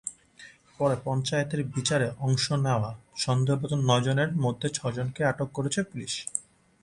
পরে পঞ্চায়েতের বিচারে অংশ নেওয়া সন্দেহভাজন নয়জনের মধ্যে ছয়জনকে আটক করেছে পুলিশ।